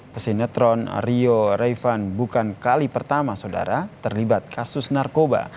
pesinetron rio revan bukan kali pertama saudara terlibat kasus narkoba